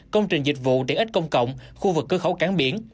công trình dịch vụ để ít công cộng khu vực cơ khấu cán biển